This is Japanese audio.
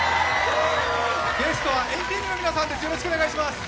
ゲストは＆ＴＥＡＭの皆さんです。